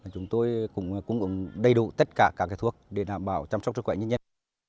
chúng tôi cũng đầy đủ tất cả các thuốc để đảm bảo chăm sóc sức khỏe nhân nhân